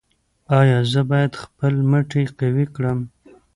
ایا زه باید خپل مټې قوي کړم؟